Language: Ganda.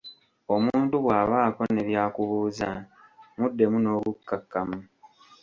Omuntu bw’abaako ne by’akubuuza, muddemu n'obukkakkamu.